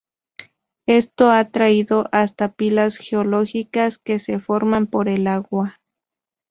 Esto ha traído hasta pilas geológicas, que se forman por el agua.